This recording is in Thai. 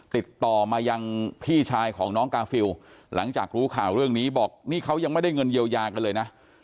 ติดต่อมายังพี่ชายของน้องกาฟิลหลังจากรู้ข่าวเรื่องนี้บอกนี่เขายังไม่ได้เงินเยียวยากันเลยนะ